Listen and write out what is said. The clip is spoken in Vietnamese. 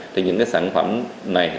thì những cái sản phẩm này